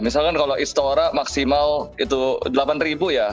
misalkan kalau istora maksimal itu delapan ribu ya